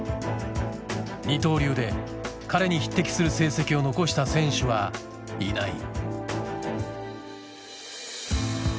二刀流で彼に匹敵する成績を残した選手はいない。